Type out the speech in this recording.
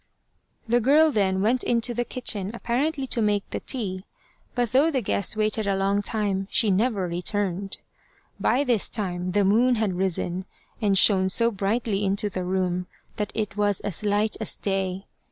The girl then went into the kitchen apparently to make the tea, but though the guest waited a long time, she never returned. By this time the moon had risen, and shone so brightly into the room, that it was as light as day.